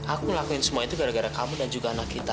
aku lakuin semua itu gara gara kamu dan juga anak kita